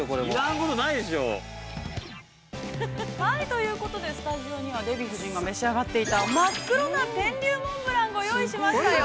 ◆ということで、スタジオには「デビュー夫人」が召し上がっていた真っ黒な天龍モンブランをご用意しましたよ。